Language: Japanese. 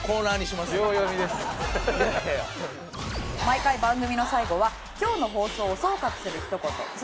毎回番組の最後は今日の放送を総括するひと言通称ラブ！！